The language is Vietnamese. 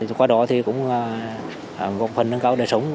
qua đó thì cũng góp phần nâng cao đời sống